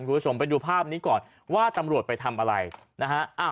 คุณผู้ชมไปดูภาพนี้ก่อนว่าตำรวจไปทำอะไรนะฮะ